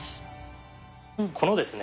このですね